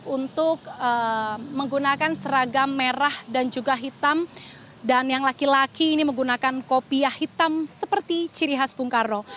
untuk menggunakan seragam merah dan juga hitam dan yang laki laki ini menggunakan kopiah hitam seperti ciri khas bung karno